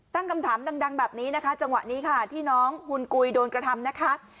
ตั้งคำถามดังแบบนี้นะคะจังหวะนี้ค่ะที่น้องหุ่นกุยโดนกระทำนะคะ